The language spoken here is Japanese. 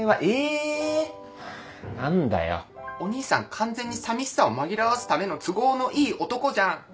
完全に寂しさを紛らわすための都合のいい男じゃん！